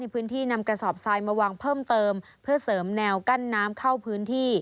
พื้นที่นำกระสอบทรายมาวางเพิ่มเติมเพื่อเสริมแนวกั้นน้ำเข้าพื้นที่